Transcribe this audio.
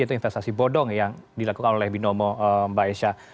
itu investasi bodong yang dilakukan oleh binomo mbak esha